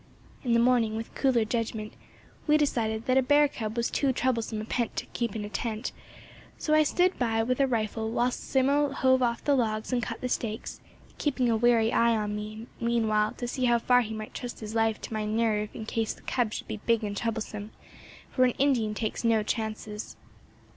In the morning, with cooler judgment, we decided that a bear cub was too troublesome a pet to keep in a tent; so I stood by with a rifle while Simmo hove off the logs and cut the stakes, keeping a wary eye on me, meanwhile, to see how far he might trust his life to my nerve in case the cub should be big and troublesome; for an Indian takes no chances.